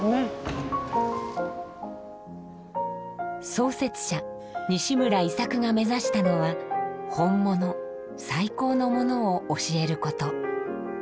創設者西村伊作が目指したのは「本物」「最高のもの」を教えること。